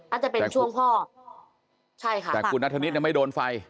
อาจจะเป็นช่วงพ่อใช่ค่ะแต่คุณนัทธนิดเนี่ยไม่โดนไฟ